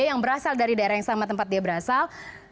yang berasal dari daerah yang sama tempat dia berasal